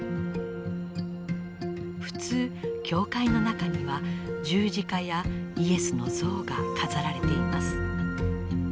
普通教会の中には十字架やイエスの像が飾られています。